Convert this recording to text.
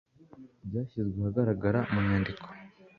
Byashyizwe ahagaragara mu nyandiko.